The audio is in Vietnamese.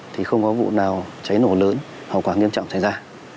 thì không có vụ nào cháy nổ lớn hoặc quá nghiêm trọng xảy ra